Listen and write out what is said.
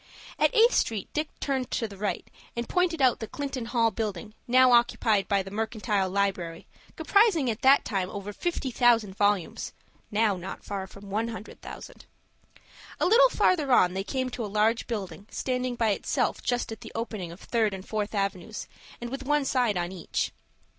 At Eighth Street Dick turned to the right, and pointed out the Clinton Hall Building now occupied by the Mercantile Library, comprising at that time over fifty thousand volumes.* * Now not far from one hundred thousand. A little farther on they came to a large building standing by itself just at the opening of Third and Fourth Avenues, and with one side on each.